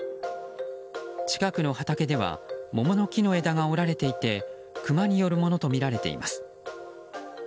近くの畑では桃の木の枝が折られていてクマによるものとみられています。